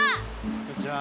こんにちは。